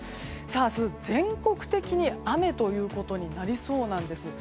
明日、全国的に雨ということになりそうです。